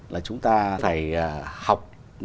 là chúng ta phải học